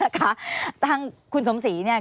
ทางคุณสมศรีเนี่ย